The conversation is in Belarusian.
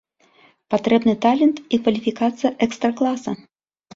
Патрэбны талент і кваліфікацыя экстра-класа.